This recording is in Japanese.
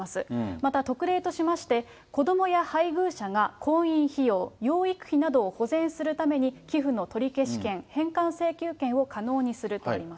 また特例としまして、子どもや配偶者が婚姻費用、養育費などを保全するために寄付の取消権、返還請求権を可能にするとあります。